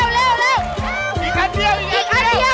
๓นาทีผ่านไปแล้วค่ะพ่อสา